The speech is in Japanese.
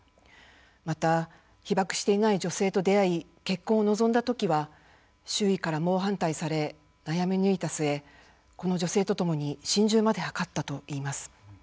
また被爆していない女性と出会い結婚を望んだときは周囲から猛反対され悩み抜いた末この女性と共に心中まで図ったといいます。